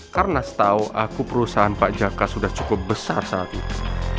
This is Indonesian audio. karena setahu aku perusahaan pak jaka sudah cukup besar saat itu